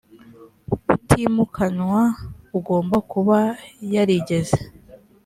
utimukanwa ugomba kuba yarigeze